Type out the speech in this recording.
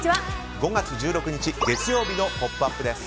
５月１６日月曜日の「ポップＵＰ！」です。